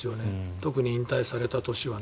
特に引退された年は。